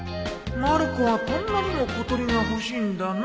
まる子はこんなにも小鳥が欲しいんだな